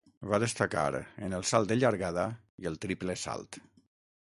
Va destacar en el salt de llargada i el triple salt.